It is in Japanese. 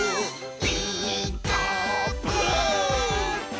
「ピーカーブ！」